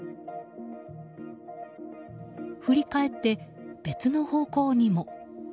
振り返って、別の方向にも。